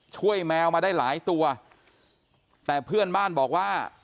แมวมาได้หลายตัวแต่เพื่อนบ้านบอกว่า